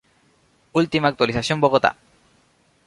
Última actualización Bogotá.